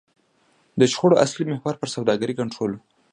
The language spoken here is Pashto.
د شخړو اصلي محور پر سوداګرۍ کنټرول و.